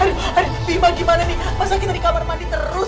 aduh aduh bima gimana nih masa kita di kamar mandi terus